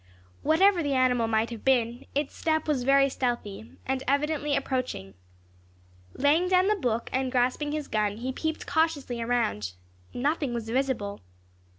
Whatever the animal might have been, its step was very stealthy, and evidently approaching. Laying down the book, and grasping his gun, he peeped cautiously around; nothing was visible.